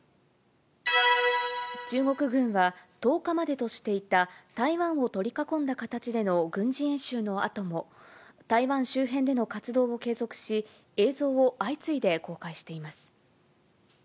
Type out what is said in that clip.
中国軍は、１０日までとしていた台湾を取り囲んだ形での軍事演習のあとも、台湾周辺での活動を継続し、映像を相次いで公開しています。